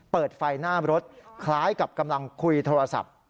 เปิดไฟหน้ารถคล้ายกับกำลังคุยโทรศัพท์